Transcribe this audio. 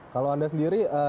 kalau anda sendiri